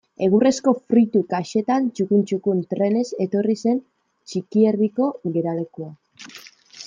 Egurrezko fruitu kaxetan txukun-txukun trenez etorri zen Txikierdiko geralekura.